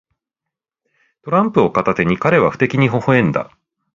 トランプを片手に、彼は不敵にほほ笑んだ。